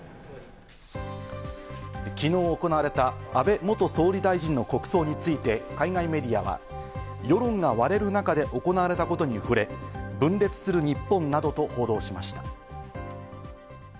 昨日行われた安倍元総理大臣の国葬について、海外メディアは世論が割れる中で行われたことに触れ、分裂する日本などと報道しました。